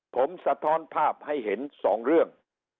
ผมสะท้อนภาพให้เห็น๒เรื่อง